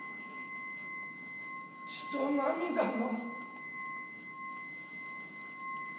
・「血と涙の」